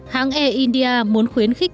hãng air india muốn khuyến khích